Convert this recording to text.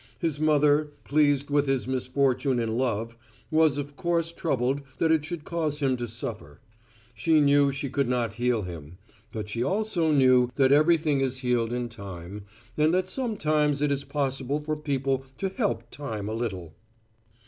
His mother, pleased with his misfortune in love, was of course troubled that it should cause him to suffer. She knew she could not heal him; but she also knew that everything is healed in time, and that sometimes it is possible for people to help time a little.